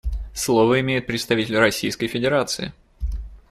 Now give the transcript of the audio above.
Слово имеет представитель Российской Федерации.